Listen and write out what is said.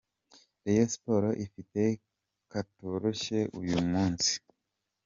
Rayon Sports ifite katoroshye uyu munsi.